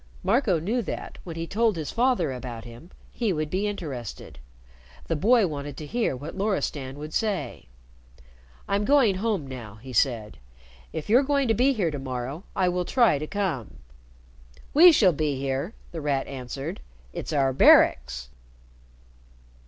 Marco knew that, when he told his father about him, he would be interested. The boy wanted to hear what Loristan would say. "I'm going home now," he said. "If you're going to be here to morrow, I will try to come." "We shall be here," The Rat answered. "It's our barracks."